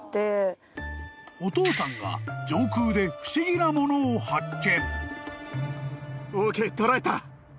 ［お父さんが上空で不思議なものを発見］